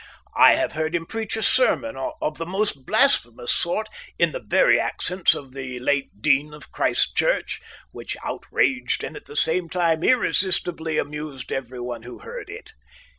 I have heard him preach a sermon of the most blasphemous sort in the very accents of the late Dean of Christ Church, which outraged and at the same time irresistibly amused everyone who heard it.